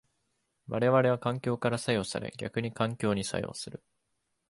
我々は環境から作用され逆に環境に作用する。